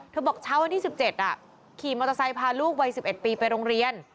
บอกเช้าวันที่๑๗ขี่มอเตอร์ไซค์พาลูกวัย๑๑ปีไปโรงเรียน